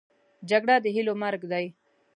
جګړه د هیلو مرګ دی